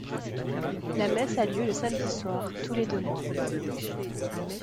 La messe a lieu le samedi soir tous les deux mois.